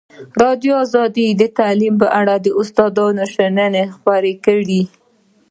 ازادي راډیو د تعلیم په اړه د استادانو شننې خپرې کړي.